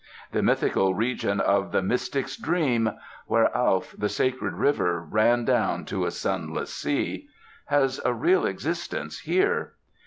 The mythical region of the mystic's dream "Where Alph, the sacred river, ran Down to a sunless sea" — has a real existence here.